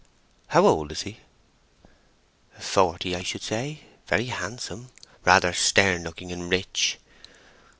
"How old is he?" "Forty, I should say—very handsome—rather stern looking—and rich."